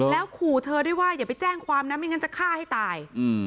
แล้วขู่เธอด้วยว่าอย่าไปแจ้งความนะไม่งั้นจะฆ่าให้ตาย